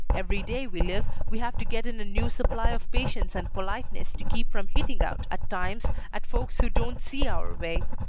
Every day we live we have to get in a new supply of patience and politeness to keep from hitting out, at times, at folks who don't see our way.